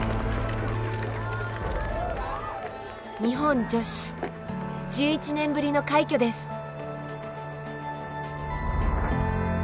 日本女子１１年ぶりの快挙です。